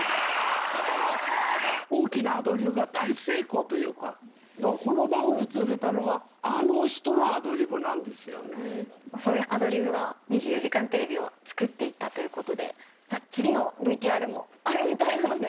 大きなアドリブが大成功というか、だからこの番組を続けたのは、そういうアドリブが２４時間テレビを作っていったということで、次のＶＴＲもあるみたいなので。